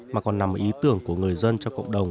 mà còn nằm ý tưởng của người dân cho cộng đồng